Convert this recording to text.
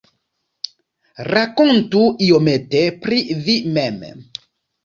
Rakontu iomete pri vi mem.